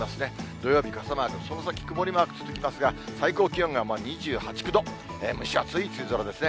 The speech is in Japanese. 土曜日、傘マーク、その先、曇りマーク続きますが、最高気温が２８、９度、蒸し暑い梅雨空ですね。